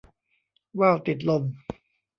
ว่าวติดลม